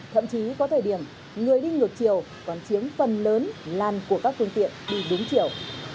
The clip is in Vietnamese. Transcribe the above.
thậm chí có thời điểm người đi ngược chiều còn chiếm phần lớn lan của các phương tiện đi đúng chiều